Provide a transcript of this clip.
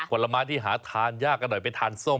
ผลไม้ที่หาทานยากกันหน่อยไปทานส้ม